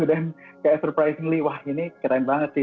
dan kayak surprisingly wah ini keren banget sih